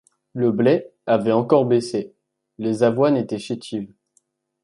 Le blé avait encore baissé, les avoines étaient chétives.